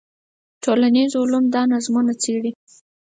ټولنیز علوم دا نظمونه څېړي.